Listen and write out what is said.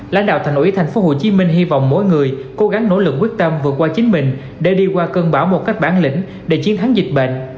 lãnh đạo thành ủy tp hcm hy vọng mỗi người cố gắng nỗ lực quyết tâm vượt qua chính mình để đi qua cơn bão một cách bản lĩnh để chiến thắng dịch bệnh